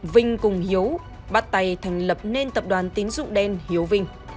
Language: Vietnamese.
vinh cùng hiếu bắt tay thành lập nên tập đoàn tín dụng đen hiếu vinh